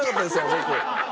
僕。